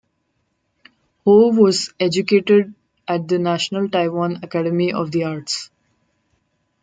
Hou was educated at the National Taiwan Academy of the Arts.